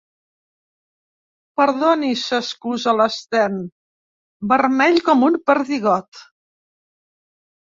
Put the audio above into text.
Perdoni —s'excusa l'Sten, vermell com un perdigot.